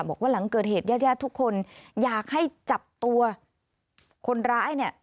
บอกว่าหลังเกิดเหตุญาติญาติทุกคนอยากให้จับตัวคนร้ายเนี่ย